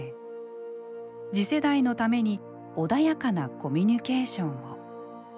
次世代のために穏やかなコミュニケーションを。